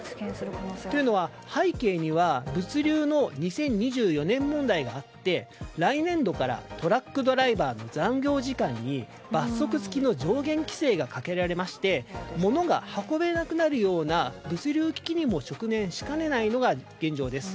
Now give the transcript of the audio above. というのは、背景には物流の２０２４年問題があって来年度からトラックドライバーの残業時間に罰則付きの上限規制がかけられまして物が運べなくなるような物流危機にも直面しかねないのが現状です。